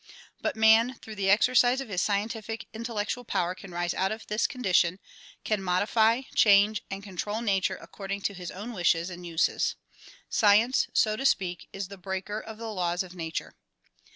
But man through the exercise of his scientific, intellectual power can rise out of this condition, can modify, change and control nature according to his own wishes and uses. Science, so to speak, is the "breaker" of the laws of nature.